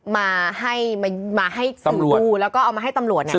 มาให้มาให้สื่อดูแล้วก็เอามาให้ตำรวจเนี่ย